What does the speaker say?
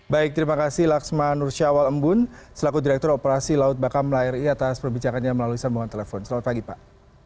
baik terima kasih laksma nursyawal embun selaku direktur operasi laut bakam lari atas perbicaraannya melalui sambungan telepon selamat pagi pak